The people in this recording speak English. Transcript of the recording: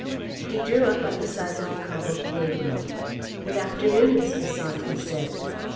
He drew up by the side of the cobbled pavement. "Good afternoon, Miss Besant," he said.